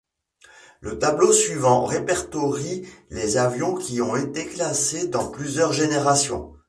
Le tableau suivant répertorie les avions qui ont été classés dans plusieurs générations.